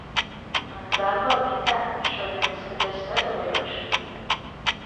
Manu dārgo meitēn, tu šodien izskaties starojoša.